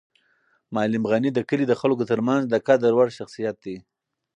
معلم غني د کلي د خلکو تر منځ د قدر وړ شخصیت دی.